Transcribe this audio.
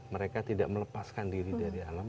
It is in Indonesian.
mereka tidak melepaskan diri dari alam